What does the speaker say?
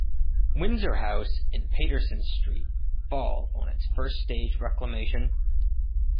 Windsor House and Paterson Street fall on its first stage reclamation.